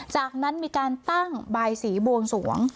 จากนั้นมีการตั้งบายสีบวงสวง